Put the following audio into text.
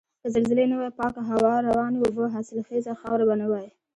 که زلزلې نه وای پاکه هوا، روانې اوبه، حاصلخیزه خاوره به نه وای.